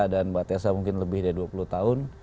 dan mbak tessa mungkin lebih dari dua puluh tahun